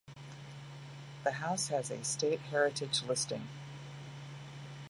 The house has a state heritage listing.